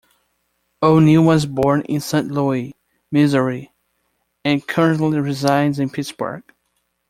O'Neill was born in Saint Louis, Missouri and currently resides in Pittsburgh.